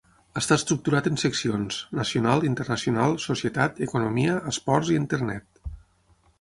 Està estructurat en seccions: nacional, internacional, societat, economia, esports i internet.